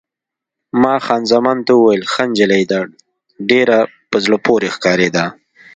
ما خان زمان ته وویل: ښه نجلۍ ده، ډېره په زړه پورې ښکارېده.